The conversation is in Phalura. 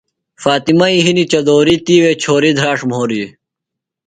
فاطمئی ہِنیۡ چدوریۡ، تِیوےۡ چھوری دھراڇ مُھوریۡ